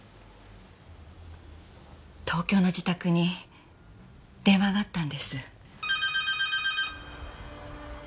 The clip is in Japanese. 東京の自宅に電話があったんです。